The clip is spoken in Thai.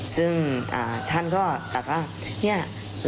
ซึ่งท่านก็แต่ว่าเนี่ย